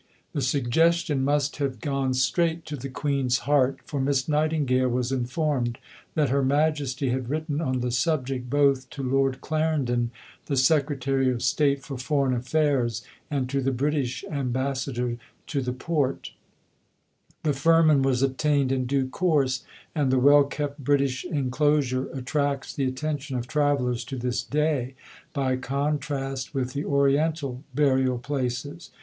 The suggestion must have gone straight to the Queen's heart, for Miss Nightingale was informed that Her Majesty had written on the subject both to Lord Clarendon, the Secretary of State for Foreign Affairs, and to the British Ambassador to the Porte. The Firman was obtained in due course, and the well kept British enclosure attracts the attention of travellers to this day by contrast with the Oriental burial places.